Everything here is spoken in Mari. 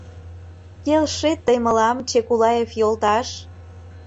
— Келшет тый мылам, Чекулаев йолташ!